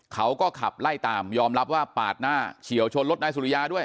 เขาก็ขับไล่ตามยอมรับว่าปาดหน้าเฉียวชนรถนายสุริยาด้วย